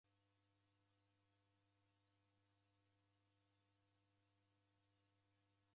W'andu w'engi w'anizerie neko na bagha ya kiSomali.